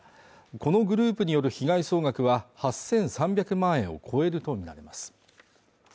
このグループによる被害総額は８３００万円を超えるとみられます